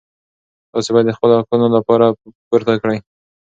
تاسو باید د خپلو حقوقو لپاره غږ پورته کړئ.